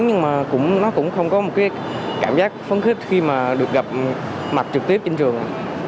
nhưng mà nó cũng không có một cái cảm giác phấn khích khi mà được gặp mặt trực tiếp trên trường